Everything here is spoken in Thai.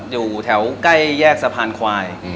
อยู่แถวใกล้แยกสะพานควาย